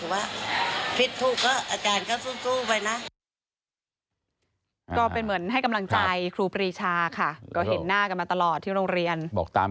วันนี้ป้าจะพูดคำสั่งใจครูยังไงครับ